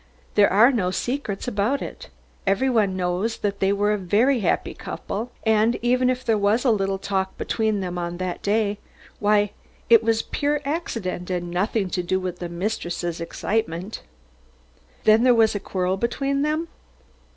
"There are no secrets about it. Everybody knows that they were a very happy couple, and even if there was a little talk between them on that day, why it was pure accident and had nothing to do with the mistress' excitement." "Then there was a quarrel between them?"